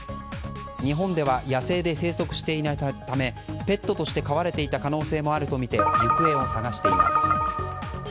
日本では野生で生息していないためペットとして飼われていた可能性もあるとみて行方を捜しています。